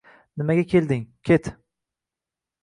nimaga kelding? Ket.